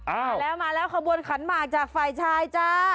อ่าแล้วมาแล้วขบวนขันหมากจากฝ่ายชายจ้า